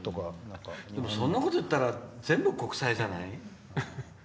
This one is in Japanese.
そんなこと言ったら全部、国際じゃない？